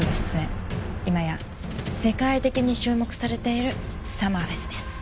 今や世界的に注目されているサマーフェスです。